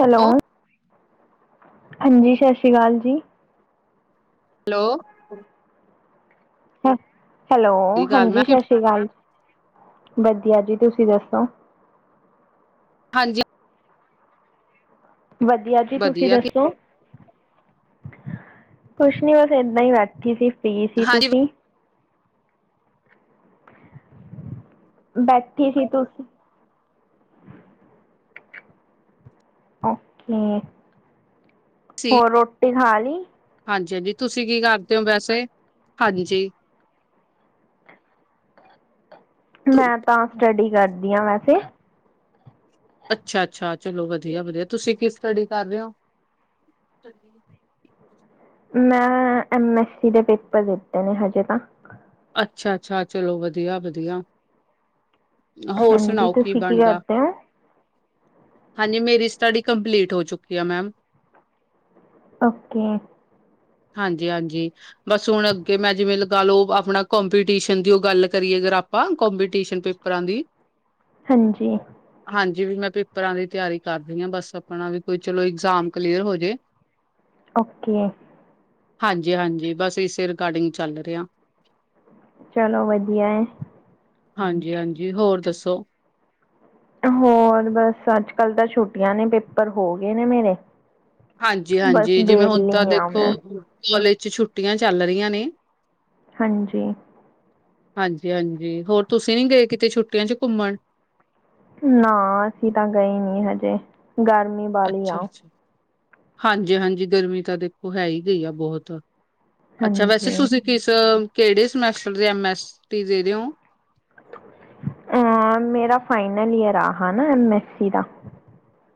Hello ਹਾਂਜੀ, ਸ਼ਾਸ਼ੀਕਾਲ ਜੀ। Hello ham hello ਸ਼੍ਰੀ ਅਕਾਲ ਹਾਂਜੀ ਮੈਂ ਸਤਿ ਸ਼੍ਰੀ ਅਕਾਲ ਵਧੀਆ ਜੀ, ਤੁਸੀਂ ਦੱਸੋ ਹਾਂਜੀ ਵਧੀਆ ਜੀ ਤੁਸੀਂ ਵਧੀਆ ਦੱਸੋ ਕੁਛ ਨੀ ਬਸ ਏਦਾਂ ਹੀ ਬਾਠੀ ਸੀ। ਕੀ ਸੀ ਹਾਂਜੀ ਤੁਸੀਂ? ਬੈਠੇ ਸੀ ਤੁਸੀ। ਓਕੇ ਹੋਰ ਰੋਟ ਬਣਾ ਲਈ ਹਾਂਜੀ-ਹਾਂਜੀ, ਤੁਸੀਂ ਕੀ ਕਰਦੇ ਹੋ ਵੈਸੇ? ਹਾਂਜੀ, ਮੈਂ ਤਾਂ ਸਟਡੀ ਕਰਦੀ ਹਾਂ ਵੈਸੇ ਅੱਛਾ-ਅੱਛਾ ਅੱ ਚਲੋ ਵਧੀਆ-ਵਧੀਆ, ਤੁਸੀ ਕਿ ਸਟਡੀ ਕਰ ਰਹੇ ਹੋ? ਮੈਂ ਐਮ ਐਸ ਸੀ ਦੇ ਪੇਪਰ ਦਿੱਤੇ ਨੇ ਹਜੇ ਤਾਂ। ਅੱਛਾ-ਅੱਛਾ, ਚਲੋ ਵਧੀਆ-ਵਧੀਆ ਹਾਂਜੀ, ਤੁਸੀਂ ਕੀ ਕਰਦੇ ਹੋ? ਹਾਂਜੀ ਮੇਰੀ ਸਟੱਡੀ ਕੰਪਲੀਟ ਹੋ ਚੁੱਕੀ ਆ ਮੈਮ। ਓਕੇ ਹਾਂਜੀ-ਹਾਂਜੀ, ਬਸ ਹੁਣ ਅੱਗੇ ਮੈਂ ਜਿਵੇਂ ਲਗਾ ਲਓ ਆਪਣਾ ਕੋਂਪੀਟੀਸ਼ਨ ਦੀ ਉਹ ਗੱਲ ਕਰੀਏ ਅਗਰ ਆਪਾਂ, ਕੋਂਪੀਟੀਸ਼ਨ ਪੇਪਰਾਂ ਦੀ ਹਾਂਜੀ ਹਾਂਜੀ ਵੀ ਮੈਂ ਪੇਪਰਾਂ ਦੀ ਤਿਆਰੀ ਕਰਦੀ ਹਾਂ ਬਸ ਆਪਣਾ, ਵੀ ਕੋਈ ਚਲੋ ਇਗਜ਼ਾਮ ਕਲੀਅਰ ਹੋ ਜੇ। ਓਕੇ ਹਾਂਜੀ-ਹਾਂਜੀ। ਬਸ ਇਸੇ ਰਿਗਾਰਡਿੰਗ ਚੱਲ ਰਿਹਾ। ਚਲੋ ਵਧੀਆ ਏ। ਹਾਂਜੀ-ਹਾਂਜੀ, ਹੋਰ ਦੱਸੋ? ਹੋਰ ਬਸ, ਅੱਜ-ਕੱਲ੍ਹ ਤਾਂ ਛੁੱਟੀਆਂ ਨੇ, ਪੇਪਰ ਹੋ ਗਏ ਨੇ ਮੇਰੇ। ਬਸ ਹਾਂਜੀ-ਹਾਂਜੀ, ਜਿਵੇਂ ਹੁਣ ਤਾਂ ਵਿਹਲੀ ਆ ਦੇਖੋ ਮੈਂ ਕੋਲੇਜ ਚ ਛੁੱਟੀਆਂ ਚੱਲ ਰਹੀਆਂ ਨੇ। ਹਾਂਜੀ। ਹਾਂਜੀ-ਹਾਂਜੀ। ਹੋਰ ਤੁਸੀਂ ਨੀ ਗਏ ਕਿਤੇ ਛੁੱਟੀਆਂ ਚ ਘੁੰਮਣ? ਨਾ, ਅਸੀਂ ਤਾਂ ਗਏ ਨੀ ਹਜੇ। ਗਰਮੀ ਵਾਲੀ ਆ ਅੱਛਾ-ਅੱਛਾ ਹਾਂਜੀ-ਹਾਂਜੀ, ਗਰਮੀ ਤਾਂ ਦੇਖੋ ਹੈ ਹੀ ਗਈ ਆ ਬਹੁਤ। ਅੱਛਾ, ਵੈਸੇ ਹਾਂਜੀ ਤੁਸੀਂ ਕਿਸ ਕਿਹੜੇ ਸਮੈਸਟਰ ਦੇ ਐਮ ਐਸ ਟੀ ਦੇ ਰੇ ਓ? ਯਾਰ, ਮੇਰਾ ਫਾਈਨਲ ਈਅਰ ਆ ਅਹਾ ਨਾ ਐਮ ਐੱਸ ਸੀ ਦਾ।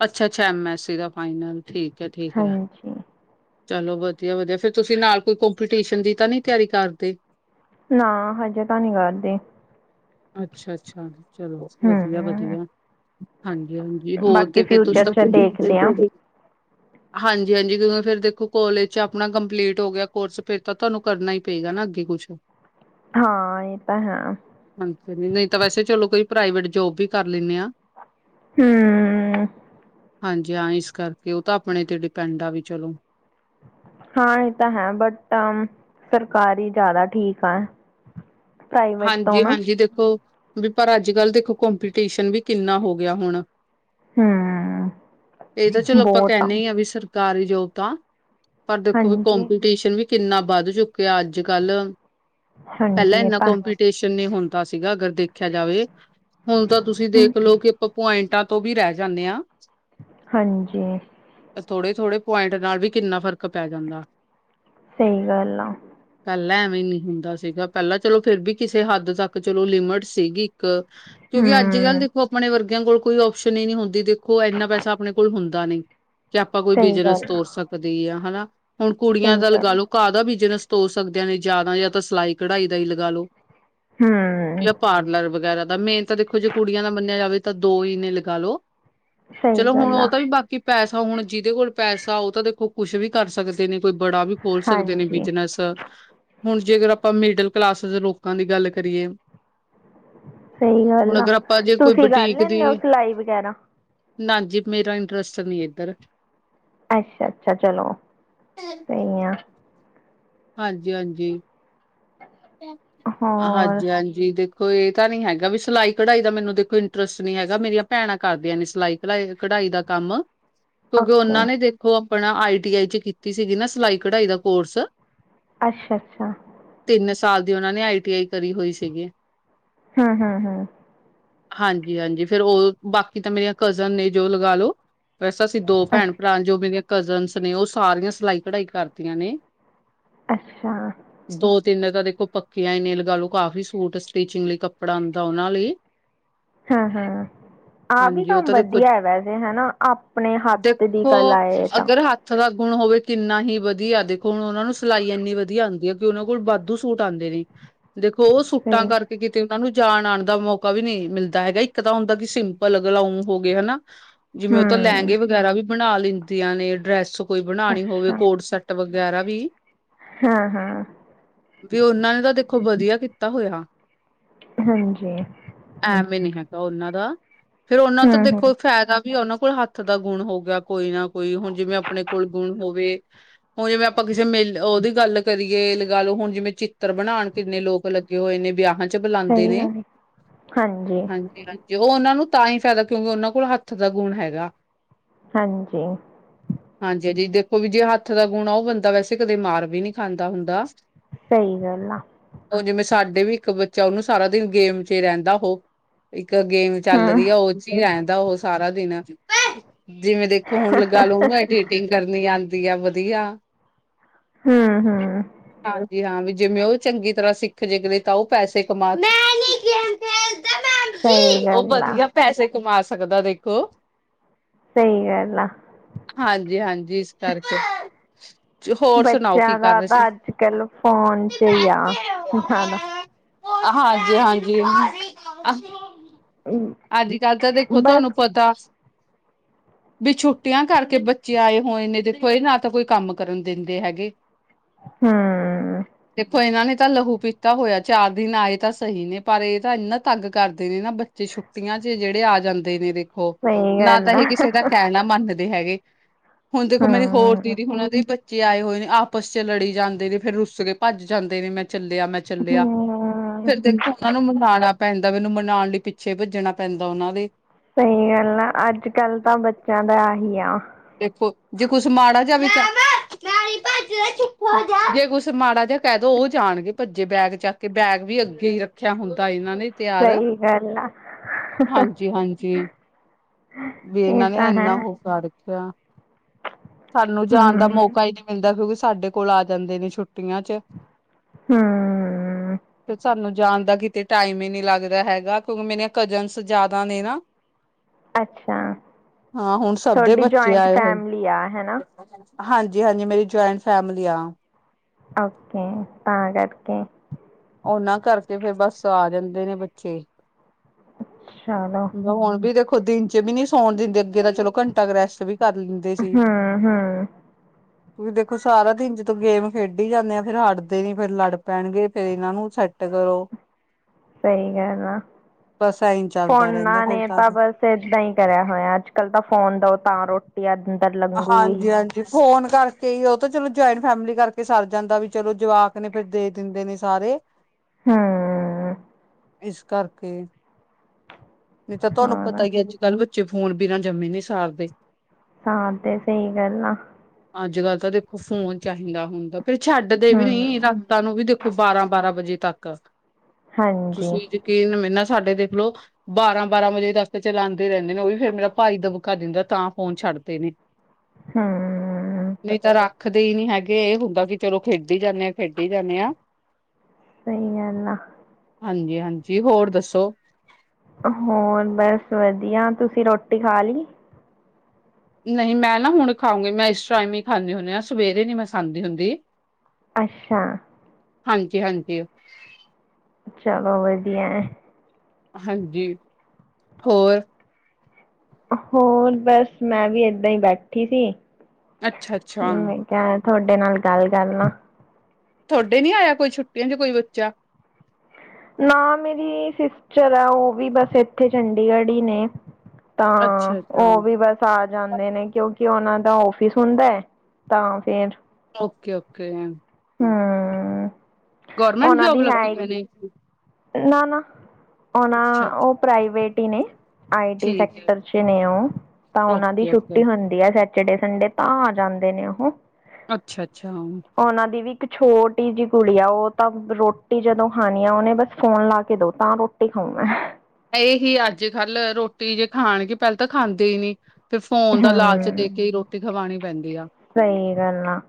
ਅੱਛਾ-ਅੱਛਾ। ਐਮ ਐਸ ਸੀ ਦਾ ਫਾਈਨਲ, ਠੀਕ। ਹੈ-ਠੀਕ ਹੈ। ਹਾਂਜੀ। ਚਲੋ ਵਧੀਆ-ਵਧੀਆ। ਫਿਰ ਤੁਸੀਂ ਨਾਲ ਕੋਈ ਕੋਂਪੀਟੀਸ਼ਨ ਦੀ ਤਾਂ ਨੀ ਤਿਆਰੀ ਕਰਦੇ? ਨਾ, ਹਜੇ ਤਾਂ ਨੀ ਕਰਦੇ। ਅੱਛਾ-ਅੱਛਾ। ਚਲੋ, ਹਮ ਵਧੀਆ-ਵਧੀਆ। ਹਾਂਜੀ-ਹਾਂਜੀ ਹੋਰ ਬਾਕੀ ਤੇ ਫੇਰ ਤੁਸੀਂ ਫਿਊਚਰ ਤਾਂ [inaudible] ਚ ਦੇਖਦੇ ਆ ਹਾਂਜੀ-ਹਾਂਜੀ। ਕਿਦੋ ਫਿਰ ਦੇਖ ਕਾਲਜ ਚ ਆਪਣਾ ਕੰਪਲੀਟ ਹੋ ਗਿਆ ਕੋਰਸ ਫਿਰ ਤਾਂ ਤੁਹਾਨੂੰ ਕਰਨਾ ਹੀ ਪਏਗਾ ਨਾ ਅੱਗੇ ਕੁਛ ਹਾਂ, ਇਹ ਤਾਂ ਹੈ। [unintelligible] ਨਹੀਂ ਤਾਂ ਵੈਸੇ ਚਲੋ ਕੋਈ ਪ੍ਰਾਈਵੇਟ ਜੋਬ ਵੀ ਕਰ ਲੈਂਦੇ ਆਂ। ਹਮ ਹਾਂਜੀ, ਹਾਂ। ਇਸ ਕਰਕੇ, ਉਹ ਤਾਂ ਆਪਣੇ ਤੇ ਡਿਪੈਂਡ ਆ ਵੀ ਚਲੋ। ਹਾਂ, ਇਹ ਤਾਂ ਹੈ ਬਟ ਸਰਕਾਰੀ ਜ਼ਿਆਦਾ ਠੀਕ ਆ। ਪ੍ਰਾਈਵੇਟ ਤੋਂ ਨਾ ਹਾਂਜੀ-ਹਾਂਜੀ, ਦੇਖੋ ਬਿਲ ਪਰ ਅੱਜ-ਕੱਲ੍ਹ ਦੇਖੋ ਕੰਪੀਟੀਸ਼ਨ ਵੀ ਕਿੰਨਾ ਹੋ ਗਿਆ ਹੁਣ। ਹਮ ਇਹ ਤਾਂ ਚਲੋ ਆਪਾਂ ਕਹਿੰਦੇ ਹੀ ਆ ਵੀ ਸਰ ਕਾਰੀ ਜੋੋਬ ਤਾਂ ਪਰ ਦੇਖੋ ਵੀ, ਹਾਂਜੀ ਕਪੀਟੀਸ਼ਨ ਵੀ ਕਿੰਨਾ ਵੱਧ ਚੁੱਕਿਆ, ਅੱਜ-ਕੱਲ ਹਾਂਜੀ, ਇਹ ਤਾਂ ਹੈ ਕੌਮਪੀਟੀਸ਼ਨ ਨੇ ਹੁਣ ਦਾ ਸੀਗਾ, ਅਗਰ ਦੇਖਿਆ ਜਾਵੇ। ਹੁਣ ਤਾਂ ਤੁਸੀਂ ਹਮ, ਦੇਖਲੋ, ਕਿ ਆਪਾਂ ਪੁਆਇੰਟਾਂ ਤੋਂ ਬੀ ਰਹਿ ਜਾਂਨੇ ਹਾਂ । ਹਾਂਜੀ ਥੋੜੇ-ਥੋੜੇ ਪੁਆਇੰਟ ਨਾਲ ਵੀ ਕਿੰਨਾ ਫ਼ਰਕ ਪੈ ਜਾਂਦਾ ਸਹੀ ਗਲ ਆ ਪਹਿਲਾਂ ਐਵੇਂ ਨੀ ਹੁੰਦਾ ਸੀਗਾ ਪਹਿਲਾਂ ਚਲੋ ਫਿਰ ਬੀ ਕਿਸੇ ਹੱਦ ਤੱਕ ਚਲੋ ਲਿਮਟ ਸੀਗੀ। ਕ ਕਿਉਂਕਿ ਅੱਜ ਕੱਲ੍ਹ ਹਮ ਦੇਖੋ ਆਪਣੇ ਵਰਗੇ ਕੋਲ ਕੋਈ ਆਪਸ਼ਨ ਹੀ ਨਹੀਂੀ ਹੁੰਦੀ ਦੇਖੋ ਇੰਨਾ ਪੈਸਾ ਆਪਣੇ ਕੋਲ ਹੁੰਦਾ ਨਹੀਂ । ਕਿ ਆਪਾਂ ਕੋਈ ਸਹੀ ਬਿਜਨਸ ਗੱਲ ਆ ਤੋਰ ਸਕਦੇ ਹਾਂ ਹਨਾ ਹੁਣ ਕੁੜੀਆਂ ਸਹੀ ਦਾ ਗੱਲ ਲਗਾ ਆ। ਲਓ ਕਾ ਦਾ ਬਿਜਨਸ ਤੋ ਸਕਦੇਿਆਂ ਨੇ ਜਿਆਦਾ ਯਾਂ ਤੋ ਸਿਲਾਈ ਕਢਾਈ ਦਹੀਂ ਲਗਾ ਲੋ ਹਮ ਜਾਂ ਪਾਰਲਰ ਵਗੈਰਾ ਦਾ ਮੇਨ ਤਾਂ ਦੇਖੋ ਜੇ ਕੁੜੀਆਂ ਦਾ ਮੰਨਿਆ ਜਾਵੇ ਤਾਂ ਦੋ ਹੀ ਨੇ ਲਗਾ ਲੋ ਸਹੀ ਚਲੋ ਹੁਣ ਗੱਲ ਆ ਉਹ ਤਾਂ ਵੀ ਬਾਕੀ ਪੈਸ ਤਾਂ ਹੁਣ ਜਿਹਦੇ ਕੋਲ ਪੈਸਾ ਉਹ ਤਾਂ ਦੇਖੋ ਕੁਛ ਵੀ ਕਰ ਸਕਦੇ ਨੇ ਕੋਈ ਬੜਾ ਵੀ ਖੋਲ ਸਕਦੇ ਨੇ ਹਾਂਜੀ ਬਿਜਨਸ ਹੁਣ ਜੇਕਰ ਆਪਾਂ ਮਿਡਲ ਕਲਾਸਿਸ ਲੋਕਾਂ ਦੀ ਗੱਲ ਕਰੀਏ ਸਹੀ ਹੁਣ ਗੱਲ ਆ, ਅਗਰ ਆਪਾਂ ਜੇ ਕੋਈ ਤੁਸੀਂ ਕਰ ਬੁਟੀਕ ਦੀ ਲੈਂਦੇ ਹੋ ਸਿਲਾਈ ਵਗੈਰਾ। ਨਾ ਜੀ, ਮੇਰਾ ਇੰਟਰਸਟ ਨੀ ਇੱਧਰ। ਅੱਛਾ- ਅੱਛਾ ਚਲੋ, [inaudible] ਹਾਂਜੀ-ਹਾਂਜੀ। ਹੋਰ ਹਾਂਜੀ-ਹਾਂਜੀ ਦੇ ਕੋਈ ਇਹ ਤਾਂ ਨੀ ਹੈਗਾ, ਵੀ ਸਿਲਾਈ -ਕਢਾਈ ਦਾ ਮੈਨੂੰ ਦੇਖੋ, ਇੰਟਰਸਟ ਨਹੀਂ ਹੈਗਾ, ਮੇਰੀਆਂ ਭੈਣਾਂ ਕਰਦੀਆਂ ਨੇ ਸਿਲਾਈ- ਕਢਾਈ ਦਾ ਕੰਮ। ਕਿਉਂਕਿ, ਉਹਨਾਂ ਓਕੇ ਨੇ ਦੇਖੋ। ਆਪਣਾ ਆਈ ਟੀ ਆਈ'ਚ ਕੀਤੀ ਸੀਗੀ ਨਾ, ਸਿਲਾਈ- ਕਢਾਈ ਦਾ ਕੋਰਸ। ਅੱਛਾ-ਅੱਛਾ! ਤਿੰਨ ਸਾਲ ਦੀ ਉਹਨਾਂ ਨੇ, ਆਈ ਟੀ ਆਈ, ਕਰੀ ਹੋਈ ਸੀਗੀ। ਹੂੰ, ਹੂੰ ਹੂੰ ਹਾਂਜੀ- ਹਾਂਜੀ। ਫੇਰ ਉਹ ਬਾਕੀ ਤਾਂ ਮੇਰੀਆਂ ਕਜ਼ਨ ਨੇ, ਜੋ ਲਗਾ ਲੋ। ਵੈਸ, ਅਸੀਂ ਦੋ ਭੈਣ- ਅੱਛ- ਭਰਾ ਜੋ ਮੇਰੀਆਂ ਕਜ਼ਨਸ ਨੇ, ਉਹ ਸਾਰੀਆਂ ਸਿਲਾਈ- ਕਢਾਈ ਕਰਦੀਆਂ ਨੇ। ਅੱਛਾ। [unintelligible] ਪੱਕੀਆਂ ਏਨੀਆਂ ਲਗਾਲੋ, ਕਾਫੀ ਸੂਟ, ਸਟੀਚਿਂਗ ਲਈ ਕੱਪੜਾ ਆੳਂਦਾ ਇਹਨਾਂ ਲਈ। ਹਮ-ਹਮ ਆਹ ਵੀ ਹਾਂਜੀ ਉਹ ਕੰਮ ਤਾਂ ਦੇਖੋ ਵਧੀਆ ਹੈ, ਵੈਸੇ, ਹਨਾ ਆਪਣੇ ਹੱਥ ਦੀ ਕਲਾ ਆ ਏ, ਤਾਂ ਹੁਣ ਹੋਵੇ ਕਿੰਨਾ ਹੀ ਵਧੀਆ। ਦੇਖੋ ਹੁਣ, ਉਹਨਾਂ ਨੂੰ ਸਿਲਾਈ ਇੰਨੀ ਵਧੀਆ ਆਉਂਦੀ ਹੈ ਕਿ ਉਹਨਾਂ ਕੋਲ ਵਾਧੂ ਸੂਟ ਆਂਦੇ ਨੇ। ਦੇਖੋ, ਉਹ ਸੁੂੱਟਾਂ ਸਹੀ ਕਰਕੇ ਕਿਤੇ ਉਹਨਾਂ ਨੂੰ, ਜਾਣ ਆਉਣ ਦਾ ਮੌਕਾ ਵੀ ਨਹੀਂ ਮਿਲਦਾ ਹੈਗਾ, ਇੱਕ ਤਾਂ ਹੁੰਦਾ ਕਿ ਸਿੰਪਲ ਗਲਾਂਉਂ ਹੋ ਗਯਾ ਹਨਾ ਜਿਵੇਂ ਉਹ ਤਾਂ, ਹਮ ਲਹਿੰਗੇ ਵਗੈਰਾ ਵੀ ਬਣਾ ਲੈਂਦੇ ਦੀਆਂ ਨੇ ਡਰੈਸ ਕੋਈ ਬਣਾਉਣੀ ਹੋਵੇ, ਕੋਡ ਸੈੱਟ ਵਗੈਰਾ ਵਗੈਰਾ ਵੀ ਹੂੰ, ਹੂੰ ਵੀ ਉਹਨਾਂ ਨੇ ਤਾਂ, ਦੇਖੋ ਵਧੀਆ ਕੀਤਾ ਹੋਇਆ। ਹਾਂਜੀ। ਐਵੇਂ ਨੀ ਹੈਗਾ ਉਹਨਾਂ ਦਾ ਫਿਰ, ਉਹਨਾਂ ਦਾ ਹਮ ਹਮ ਦੇਖੋ, ਫ਼ਾਇਦਾ ਵੀ, ਉਹਨਾਂ ਕੋਲ ਹੱਥ ਦਾ ਗੁਣ ਹੋਊਗਾ, ਕੋਈ ਨਾ ਕੋਈ ਕੋਈ ਹੁਣ, ਜਿਵੇਂ ਆਪਣੇ ਕੋਲ ਗੁਣ ਹੋਵੇ ਹੁਣ, ਜਿਵੇਂ ਆਪਾਂ ਕਿਸੇ ਮਿਲ ਉਹਦੀ ਗੱਲ ਕਰੀਏ, ਲਗਾ ਲਓ ਹੁਣ ਜਿਵੇਂ, ਚਿੱਤਰ ਬਣਾਉਣ ਕਿੰਨੇ ਲੋਕ ਲੱਗੇ ਹੋਏ ਨੇ, ਵਿਆਹਾਂ ਸਹੀ ਬੁਲਾਂਦੇ ਨੇ, ਗੱਲ ਹੈ। ਹਾਂਜੀ ਹਾਂਜੀ-ਹਾਂਜੀ। ਉਹ, ਉਹਨਾਂ ਨੂੰ ਤਾਂ ਹੀ ਫਾਇਦਾ ਕਿਉਂਕਿ ਉਹਨਾਂ ਕੋਲ ਹੱਥ ਦਾ ਗੁਣ ਹੈਗਾ। ਹਾਂਜੀ ਉਹ ਵੀ ਜੇ ਹੱਥ ਦਾ ਗੁਣਾ ਉਹ ਬੰਦਾ ਵੈਸੇ ਕਦੇ ਮਾਰ ਵੀ ਨਹੀਂ ਖਾਂਦਾ ਹੁੰਦਾ। ਸਹੀ ਗੱਲ ਆ। ਉਹ ਜਿਵੇਂ ਸਾਡੇ ਵੀ ਇੱਕ ਬੱਚਾ ਉਹਨੂੰ ਸਾਰਾ ਦਿਨ ਗੇਮ ਚ ਰਹਿੰਦਾ ਉਹ [inaudible] ਹਮ ਉਹ ਸਾਰਾ ਦਿਨ ਜਿਵੇਂ ਦੇਖੋ ਹੁਣ ਲਗਾ ਲਓ ਉਹਨੂੰ ਐਡੀਟਿੰਗ ਕਰਨੀ ਆਂ ਵਧੀਆ-ਵਧੀਆ ਹਮ-ਹਮ ਹਾਂਜੀ ਵੀ ਜਿਵੇਂ ਉਹ ਚੰਗੀ ਤਰ੍ਹਾਂ ਸਿੱਖ ਜੇ, ਜਿਵੇਂ ਤਾਂ ਉਹ ਪੈਸੇ ਕਮਾ ਦੇ ਸਹੀ ਗੱਲ ਆ। ਘੁੰਮਾ ਸਕਦਾ ਦੇਖੋ ਸਹੀ ਗੱਲ ਆ। ਜਿਸ ਕਰਕੇ- ਹੋਰ ਸੁਣਾਓ ਕੀ ਬੱਚਿਆਂ ਕਰ ਦਾ ਰਹੇ ਤਾਂ ਸੀ ਅੱਜ ਕੱਲ- ਫੋਨ 'ਚ ਈ ਆ ਜਾਦਾ। ਹਾਂਜੀ ਹਾਂਜੀ। ਹਮ, ਅੱਜ ਕੱਲ੍ਹ ਤਾਂ ਦੇਖੋ ਬਸ ਤੁਆਨੂੰ ਪਤਾ। ਵੀ ਛੁੱਟੀਆਂ ਕਰਕੇ ਬੱਚੇ ਆਏ ਹੋਏ ਨੇ। ਦੇਖੋ ਏ ਨਾ ਤਾਂ ਕੋਈ ਕੰਮ ਕਰਨ ਦੇਂਦੇ ਹੈਗੇ। ਹਮ ਦੇਖੋ ਇਨਾਂ ਨੇ- ਤਾਂ ਲਹੂ ਪੀਤਾ ਹੋਇਆ। ਚਾਰ ਦਿਨ ਆਏ ਤਾਂ ਸਹੀ ਨੇ ਪਰ ਇਹ ਤਾਂ ਇੰਨਾ ਤੰਗ ਕਰਦੇ ਨੇ ਨਾ ।ਬੱਚੇ ਛੁੱਟੀ- ਆਂ ਚ ਜੇੜੇ ਆ ਜਾਂਦੇ ਨੇ ਦੇਖੋ- ਹੋ- ਸਹੀ ਨਾ ਤਾਂ ਗੱਲ ਆ ਇਹ ਕਿਸੇ ਦਾ ਕਹਿਣਾ ਮੰਨਰ ਦੇ ਹੈਗੇ। ਹੁਣ ਦੇਖੋ ਮੇਰੀ ਹੋਰ ਹਮ ਦੀਦੀ ।ਹੁਣ ਉਹ ਦੀ ਬਚ- ਬੱਚੇ ਆਏ ਹੋਏ ਨੇ ਆਪਸ 'ਚ ਲੜੀ ਜਾਂਦੇ ਨੇ। ਫੇਰ ਰੁੱਸ ਕੇ ਭੱਜ ਜਾਂਦੇ ਨੇ। ਮੈਂ- ਚੱਲਿਆ, ਮੈਂ ਚੱਲਿਆ । ਹਮ ਫਿਰ ਦੇਖੋ ਉਨਾਂ ਨੂੰ ਮਨਾਣਾ- ਪੈਂਦਾ। ਉਨੂੰ ਮਨਾਣ ਲਈ ਪਿੱਛੇ ਭਜ- ਭੱਜਣਾ ਪੈਂਦਾ ਉਨਾਂ ਦੇ। ਸਈ ਗੱਲ ਆ ਅੱਜ ਕੱਲ ਤਾਂ ਬੱਚਿਆਂ ਦਾ ਆਹੀ ਆ। ਦੇਖੋ ਜੇ ਕੁਛ ਮਾੜਾ ਜਿਆ ਵੀ [unintelligible] ਜੇ ਕੁਛ ਮਾੜਾ ਜਿਹਾ ਕਹਿ ਦੋ ਉਹ ਜਾਣਗੇ ਭੱਜੇ ਬੈਗ ਚੱਕ ਕੇ ਬੈਗ ਵੀ ਅੱਗੇ ਹੀ ਰੱਖਿਆ ਹੁੰਦਾ ਏ। ਨਾਲੇ ਈ ਤਿਆਰ ਸਹੀ ਗੱਲ ਆ ।ਹਾਂਜੀ -ਹਾਂਜੀ- ਵੀ ਇਹ ਇਨਾਂ ਨੇ ਤਾਂ ਹੈ ਏਨਾ ਹੋ ਕੜ- ਕਿਆ। ਸਾਨੂੰ ਜਾਣ ਦਾ ਹਮ ਮੌਕਾ ਈ ਨੀ ਮਿਲਦਾ ਕਿਉਂਕਿ ਸਾਡੇ ਕੋਲ ਆ ਜਾਂਦੇ ਨੇ ਛੁੱਟੀ ਛੁਟੀਆਂ 'ਚ ਹਮ ਤੇ ਸਾਨੂੰ ਜਾਣ ਦਾ ਕਿਤੇ ਟਾਈਮ ਈ ਨੀ ਲੱਗਦਾ ਹੈਗਾ ਕਿਉਂਕਿ ਮੇਰੀਆਂ ਕਜਸਨ ਜਾਦਾ ਨੇ ਨਾ। ਅੱਛਾ ਹਾਂ ਹੁਣ ਸਭ ਦੇ ਤੁਹਾਡੀ ਬੱਚੇ ਜੁਆਇੰਟ ਫੈਮਲੀ ਆ ਹੇਨਾ। ਹਾਂਜੀ-ਹਾਂਜੀ ਮੇਰੀ ਜੁਆਇੰਟ ਫੈਮਲੀ ਆ। ਓਕੇ-ਤਾਂ ਕਰਕੇ। ਉਨਾਂ ਕਰਕੇ ਫੇਰ ਬੱਸ ਆ ਜਾਂਦੇ ਨੇ ਬੱਚੇ। ਚਲੋ ਹੁਣ ਵੀ ਦੇਖੋ, ਦਿਨ ਚ ਵੀ ਨੀ ਸੌਣ ਦਿੰਦੇ ।ਅੱਗੇ ਤਾਂ ਚਲੋ ਘੰਟਾ ਕ ਰੈਸਟ ਵੀ ਕਰ ਲੈਂਦੇ ਸੀ। ਹੂੰ-ਹੂੰ। ਤੁਸੀਂ ਦੇਖੋ ਸਾਰਾ ਦਿਨ ਜਦੋ ਗੇਮ ਖੇਡੀ ਜਾਂਨੇ ਆ ਫੇਰ ਹਟਦੇ ਨੀ ਫੇਰ ਲੜ ਪੈਣਗੇ। ਫਿਰ ਇਨਾਂ ਨੂੰ ਸੈਟ ਕਰੋ। ਸਈ ਗੱਲ ਆ ਬਸ ਐਈ ਚੱਲਦਾ ਰਹਿੰਦਾ ਫੋਨਾਂ ਫਿਰ ਨੇ ਤਾਂ ਬਸ ਏਦਾਂ ਈ ਕਰਿਆ ਹੋਇਆ ਅੱਜ ਕੱਲ ਤਾਂ ਫੋਨ ਦੋ ਤਾਂ ਰੋ ਪਿਆਜ [unintelligible] ਹਾਂਜੀ-ਹਾਂਜੀ, ਫੋਨ ਕਰਕੇ ਕਈ ਉਹ ਤਾਂ ਚਲੋ, ਜੁਆਇੰਟ ਫੈਮਿਲੀ ਕਰਕੇ ਸਰ ਜਾਂਦਾ ਵੀ ਚਲੋ ਜਵਾਕ ਨੇ ਫੇਰ ਦੇ ਦਿੰਦੇ ਨੇ ਸਾਰੇ ਹੂੰ, ਇਸ ਕਰਕੇ ਨਹੀਂ ਤਾਂ ਤੁਹਾਨੂੰ ਪਤਾ ਹੋਰ ਏ ਅੱਜ ਕੱਲ੍ਹ ਚੇ ਫੋਨ ਬਿਨਾਂ ਜੰਮੇ ਨਹੀਂ ਸਾਰਦੇ। ਹਾਂ, ਤੇ ਸਹੀ ਗੱਲ ਆ। ਅੱਜ ਕੱਲ੍ਹ ਤਾਂ ਦੇਖੋ ਫੋਨ ਚਾਹੀਦਾ ਹੁੰਦਾ। ਫੇਰ ਛੱਡ ਦੇ ਵੀ ਨੀ ਹਮ ਰਾਤਾਂ ਨੂੰ ਵੀ ਦੇਖੋ। ਦੇਖੋ ਬਾਰਾਂ-ਬਾਰਾਂ ਵਜੇ ਤੱਕ। ਹਾਂਜੀ ਤੁਸੀਂ ਯਕੀਨ ਮੈਨਾ ਸਾਡੇ ਦੇਖ ਲਓ ਬਾਰਾਂ-ਬਾਰਾਂ ਵਜੇ ਤਕ ਤੇ ਚਲਾਂਦੇ ਰਹਿੰਦੇ ਨੇ, ਉਹ ਵੀ ਫੇਰ ਮੇਰਾ ਭਾਈ ਦਬਕਾ ਦਿੰਦਾ, ਤਾਂ ਫੋਨ ਛੱਡਦੇ ਨੇ। ਤਾਂ ਹੂੰ। ਰੱਖਦੇ ਰਖਦੇ ਨਹੀਂ ਹੈਗੇ ਇਹ ਹੁੰਦਾ ਕਿ ਚਲੋ ਖੇਡੀ ਜਾਣੇ ਆ, ਖੇਡੀ ਜਾਣੇ ਆ। ਸਹੀ ਏਂ ਨਾ। ਹਾਂਜੀ-ਹਾਂਜੀ, ਹੋਰ ਦੱਸੋ? ਹੋਰ ਬਸ ਵਧੀਆ, ਤੁਸੀਂ ਰੋਟੀ ਖਾ ਲਈ? ਨਹੀਂ ਮੈਂ ਨਾ ਹੁਣ ਖਾਉਂਗੀ, ਮੈਂ ਇਸ ਟਾਈਮ ਹੀ ਖਾਂਦੀ ਹੁੰਦੀ ਹਾਂ, ਸਵੇਰੇ ਨੀ ਮੈਂ ਖਾਂਦੀ ਹੁੰਦੀ। ਅੱਛਾ। ਹਾਂਜੀ-ਹਾਂਜੀ। ਚਲੋ ਵਧੀਆ। ਹਾਂਜੀ ਹੋਰ ਹੋਰ ਬਸ ਮੈਂ ਵੀ ਏਦਾਂ ਹੀ ਬੈਠੀ ਸੀ। ਅੱਛਾ- ਅੱਛਾ। ਮੈਂ ਕਿਹਾ ਤੁਹਾਡੇ ਨਾਲ ਗੱਲ ਕਰਲਾਂ। ਤੁਹਾਡੇ ਨੀ ਆਇਆ ਕੋਈ ਛੁੱਟੀਆਂ ਚ ਕੋਈ ਬੱਚਾ। ਨਾ ਮੇਰੀ ਸਿਸਟਰ ਆ, ਉਹ ਵੀ ਬਸ ਇੱਥੇ ਚੰਡੀਗੜ੍ਹ ਹੀ ਨੇ। ਤਾਂ, ਅੱਛਾ-ਅੱਛਾ ਉਹ ਵੀ ਬਸ ਆ ਜਾਂਦੇ ਨੇ, ਕਿਉਂਕਿ ਉਹਨਾਂ ਦੇ ਉਸ ਦਾ ਆਫਿਸ ਹੁੰਦਾ ਹੈ, ਤਾਂ ਫੇਰ ਓਕੇ- ਓਕੇ। ਹਮ। ਗਵਰਮੈਂਟ ਉਹਨਾਂ ਜੋਬ ਦੀ ਹੈ ਲੱਗੇ ਹੀ- ਪਈ ਨੇ। ਨਾ- ਨਾ। ਉਹਨਾ, ਅੱਛਾ-ਅੱਛਾ ਉਹ ਪ੍ਰਾਈਵੇਟ ਹੀ ਨੇ, ਆਈ ਟੀ ਠੀਕ ਐ ਸੈਕਟਰ ਚ ਨੇ ਉਹ, ਤਾਂ ਉਹਨਾ ਦੀ ਓਕੇ-ਓਕੇ। ਛੁੱਟੀ ਹੁੰਦੀ ਆ ਜਿਹੜੇ ਸੰਡੇ ਤਾਂ ਆ ਜਾਂਦੇ ਨੇ ਉਹ। ਅੱਛਾ- ਅੱਛਾ। ਦੀਦੀ ਦੀ ਇੱਕ ਛੋਟੀ ਜਿਹੀ ਕੁੜੀ ਆ, ਉਹ ਤਾਂ ਰੋਟੀ ਜਦੋਂ ਖਾਣੀ ਆ ਉਹਨੇ, ਬਸ ਫੋਨ ਲਾ ਕੇ ਦੋ ਤਾਂ ਰੋਟੀ ਖਾਊ ਮੈਂ ਇਹੀ ਅੱਜ- ਕੱਲ ਰੋਟੀ ਜੇ ਖਾਣਗੇ, ਪਹਿਲੇ ਤਾਂ ਖਾਂਦੇ ਹੀ ਨਹੀਂ। ਫਿਰ ਫੋਨ ਦਾ ਲਾਲਚ ਦੇ ਹੂੰ ਕੇ ਹੀ ਰੋਟੀ ਖਵਾਉਣੀ ਸਹੀ ਗੱਲ ਆ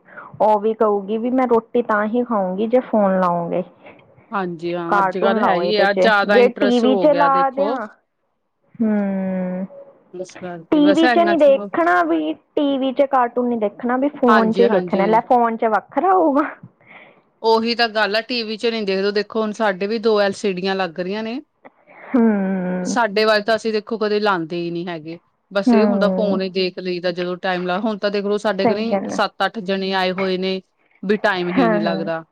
ਉਹ ਵੀ ਕਹੂਗੀ ਵੀ ਮੈਂ ਰੋਟੀ ਵੀ ਤਾਂ ਹੀ ਖਾਉਂਗੀ ਜੇ ਫੋਨ ਲਾਉਂਗੇ ਹਾਂਜੀ ਹਾਂ ਅੱਜ ਕੱਲ ਕਾਰਟੂਨ ਹੈ ਲਾਓ ਹੀ ਇਹਦੇ ਆ 'ਚ ਜ਼ਿਆਦਾ ਜੇ ਇੰਟਰਸਟ ਹੋ ਗਿਆ ਦੇਖੋ ਹਮ ਇਸ ਕਰਕੇ ਬਸ ਟੀਵੀ ਚ ਇਨਾ ਨੀ ਚਲੋ ਦੇਖਣਾ ਵੀ ਟੀਵੀ ਚ ਕਟ ਆਖਣਾ ਵੀ ਫੋਨ ਚ ਹੀ ਦੇਖਣਾ ਹਾਂਜੀ-ਹਾਂਜੀ ਲੈ ਫੋਨ ਚ ਵ ਖਰਾ ਉਹ ਵ ਉਹੀ ਤਾਂ ਗੱਲ ਆ ਟੀ ਵੀ ਚ ਨਹੀਂ ਦੇਖਦੇੋ ਦੇਖੋ ਹੁਣ ਸਾਡੇ ਵੀ ਦੋ ਐਲ ਸੀ ਡੀਆਂ ਲੱਗ ਲੱਗ ਰਹੀ ਆ ਨੇ ਹੂੰ ਸਾਡੇ ਵੱਲ ਤਾਂ ਅਸੀਂ ਦੇਖੋ ਕਦੇ ਲਾਂ ਦੇ ਹੀ ਨਹੀਂ ਹੈਗੇ ਬਸ ਇਹ ਹੁੰਦਾ ਹੂੰ ਫੋਨ ਦੇਖ ਲਈ ਜਦੋਂ ਟਾਈਮਾ ਹਣ ਤਾਂ ਦੇਖ ਲੋ ਸਾਡੇ ਸਹੀ ਕੋੀ ਗੱਲ ਆ ਸੱਤ ਅੱਠ ਜਣੇ ਆਏ ਹੋਏ ਨੇ ਵੀ ਟਾਈਮ ਹੀ ਨੀ ਹਾਂ ਹਾਂ ਲੱਗਦਾ ਦਾ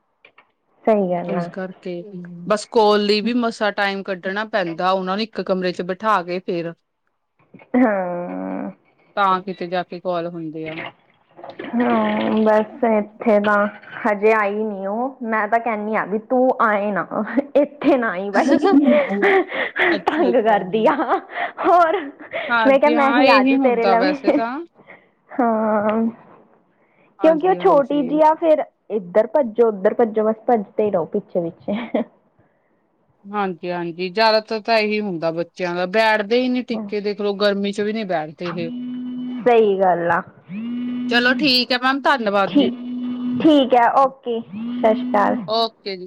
ਸਹੀ ਗੱਲ ਇਸ ਆ ਕਰਕੇ ਬਸ ਕਾਲ ਕਰਨ ਲਈ ਵੀ ਮਸਾਂ ਟਾਈਮ ਕੱਢਣਾ ਪੈਂਦਾ ਉਹਨਾਂ ਨੂੰ ਇੱਕ ਕਮਰੇ ਚ ਬਿਠਾ ਕੇ ਫੇਿਰ ਹਾਂ ਤਾਂ ਕਿਤੇ ਜਾ ਕੇ ਕਾਲ ਹੁੰਦੇ ਆ। ਹਮ ਬਸ ਇੱਥੇ ਤਾਂ ਹਜੇ ਆਈ ਨੀ ਉਹ ਮੈਂ ਤਾਂ ਕਹਣੀ ਆ ਵੀ ਤੂੰ ਆਏ ਨਾ ਉੱਥੇ ਨਾ ਹੀ ਬਾਈ ਅੱਛਾ ਤੰਗ ਅੱਛਾ। ਕਰਦੀ ਆ ਹੋਰ ਮੈਂ ਕਿਹਾ ਹਾਂਜੀ ਮੈਂ ਹਾਂ ਹੀ ਇਹੀ ਆਜੂ ਤੇਰੇ ਹੁੰਦਾ ਲਵੇ ਵੈਸੇ ਤਾਂ [unintelligible] ਕਿਉਂਕਿ ਉਹ ਹਾਂਜੀ ਛੋਟੀ ਹਾਂਜੀ। ਜੀ ਆ ਫੇਰ ਇੱਧਰ ਭੱਜੋ ਉੱਧਰ ਭੱਜੋ ਬਸ ਭੱਜਦੇ ਰਹੋ ਪਿੱਛੇ ਪਿੱਛੇ ਹਾਂਜੀ ਹਾਂਜੀ ਜ਼ਿਆਦਾਤਰ ਤਾਂ ਇਹੀ ਹੁੰਦਾ ਬੱਚਿਆਂ ਦਾ ਪੈਡ [unintelligible] ਦੇਖ ਲੋ ਗਰਮੀ ਚ ਵੀ ਨੀ ਬੈਠਦੇ ਇਹ ਸਹੀ ਗੱਲ ਆ ਚਲੋ ਠੀਕ ਹੈ ਮੈਮ ਧੰਨਵਾਦ ਜੀ ਠੀਕ ਠੀਕ ਹੈ ਓਕੇ ਸਤਿ ਸ਼੍ਰੀ ਅਕਾਲ ਓਕੇ ਜੀ।